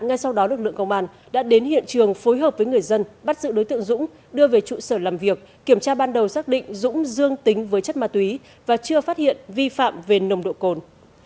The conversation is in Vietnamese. ngay sau đó lực lượng công an đã đến hiện trường phối hợp với người dân bắt giữ đối tượng dũng đưa về trụ sở làm việc kiểm tra ban đầu xác định dũng dương tính với chất ma túy và chưa phát hiện vi phạm về nồng độ cồn